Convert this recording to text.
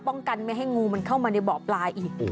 ป้องกันไม่ให้งูเข้ามาในเบาะปลายอีก